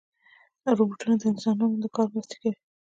روبوټونه د انسانانو د کار مرسته کوي.